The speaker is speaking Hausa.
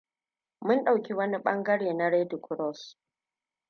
Mun dauki wani bangare na Red Cross.